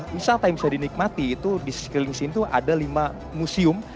wisata yang bisa dinikmati itu di sekeliling sini ada lima museum